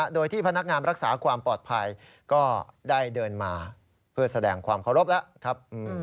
โดยที่พนักงานรักษาความปลอดภัยก็ได้เดินมาเพื่อแสดงความเคารพแล้วครับ